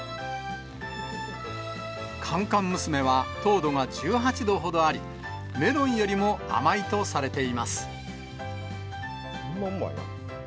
甘々娘は糖度が１８度ほどあり、メロンよりも甘いとされています。